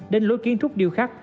đến lối kiến trúc điêu khắc